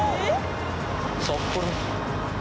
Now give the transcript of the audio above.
札幌。